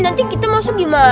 nanti kita masuk gimana